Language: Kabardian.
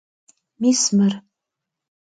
Mis mır.